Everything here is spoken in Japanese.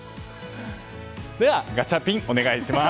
では、ガチャピンお願いします。